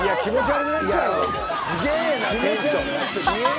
すげえなテンション！